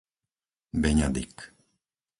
Beňadik